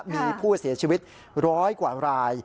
มีผู้เสียชีวิตร้อยกว่าราย